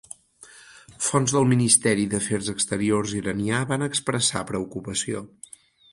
Fonts del ministeri d'Afers Exteriors iranià van expressar preocupació.